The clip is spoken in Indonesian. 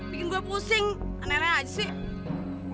bikin gue pusing aneh aja sih